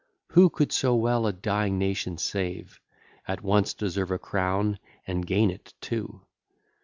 Who could so well a dying nation save, At once deserve a crown, and gain it too.